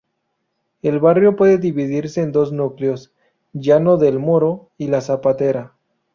El barrio puede dividirse en dos núcleos: Llano del Moro y La Zapatera.